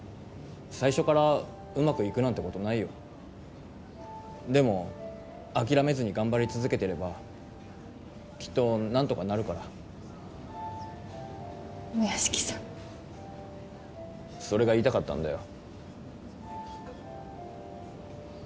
最初からうまくいくなんてことないよでも諦めずに頑張り続けてればきっと何とかなるから梅屋敷さんそれが言いたかったんだよ